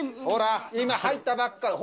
ほら、今、入ったばっか。